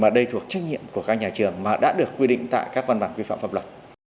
đây thuộc trách nhiệm của các nhà trường mà đã được quy định tại các văn bản quy phạm pháp luật